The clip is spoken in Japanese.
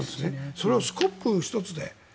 それをスコップ１つで。